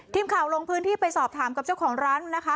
ทีมข่าวลงพื้นที่ไปสอบถามกับเจ้าของร้านนะคะ